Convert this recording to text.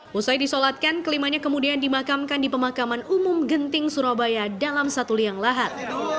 setelah disolatkan kelimanya kemudian dimakamkan di pemakaman umum genting surabaya dalam satu liang lahat